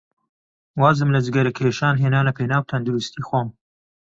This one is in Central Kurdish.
وازم لە جگەرەکێشان هێنا لەپێناو تەندروستیی خۆم.